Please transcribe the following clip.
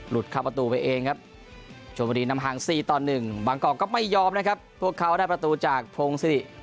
หลุดเข้าประตูไปเองครับชวนบุรีนำหางสี่ตอนหนึ่งบางกรก็ไม่ยอมนะครับพวกเขาได้ประตูจากโพงสิริ